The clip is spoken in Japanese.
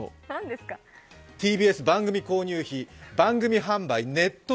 ＴＢＳ番組購入費、番組販売ネット